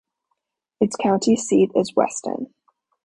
Its county seat is Weston.